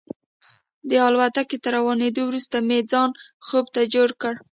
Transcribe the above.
د الوتکې تر روانېدو وروسته مې ځان خوب ته جوړ کړ.